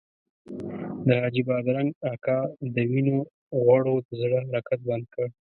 د حاجي بادرنګ اکا د وینو غوړو د زړه حرکت بند کړ.